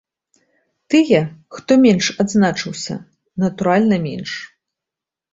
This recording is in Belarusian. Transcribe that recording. Тыя, хто менш адзначыўся, натуральна, менш.